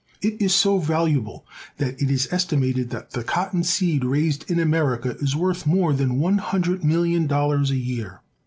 It is so valuable that it is estimated that the cotton seed raised in America is worth more than one hundred million dollars a year.